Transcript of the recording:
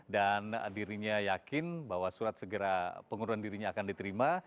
dan dirinya yakin bahwa surat pengunduran dirinya akan diterima